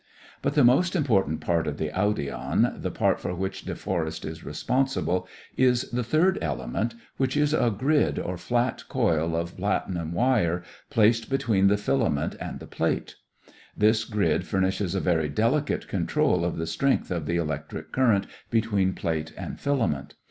But the most important part of the audion, the part for which Deforest is responsible, is the third element, which is a grid or flat coil of platinum wire placed between the filament and the plate. This grid furnishes a very delicate control of the strength of the electric current between plate and filament.